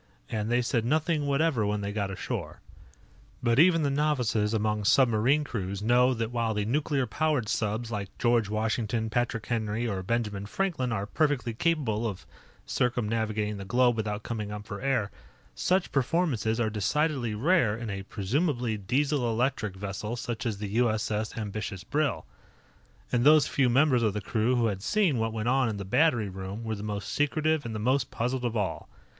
And they said nothing whatever when they got ashore. But even the novices among submarine crews know that while the nuclear powered subs like George Washington, Patrick Henry, or Benjamin Franklin are perfectly capable of circumnavigating the globe without coming up for air, such performances are decidedly rare in a presumably Diesel electric vessel such as the U.S.S. Ambitious Brill. And those few members of the crew who had seen what went on in the battery room were the most secretive and the most puzzled of all.